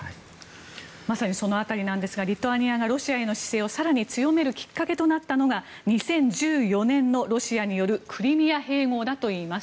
まさにその辺りなんですがリトアニアがロシアへの姿勢を更に強めるきっかけとなったのが２０１４年のロシアによるクリミア併合だといいます。